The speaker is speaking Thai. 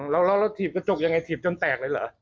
แล้วเราถีบกระจกยังไงถีบจนแตกเลยเหรอ